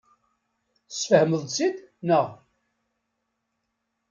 Tesfehmeḍ-tt-id, naɣ?